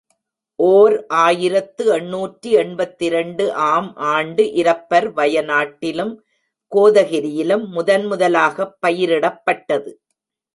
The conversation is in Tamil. ஓர் ஆயிரத்து எண்ணூற்று எண்பத்திரண்டு ஆம் ஆண்டு இரப்பர் வயநாட்டிலும் கோதகிரியிலும் முதன் முதலாகப் பயிரிடப்பட்டது.